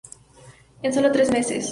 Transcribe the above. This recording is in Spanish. En solo tres meses.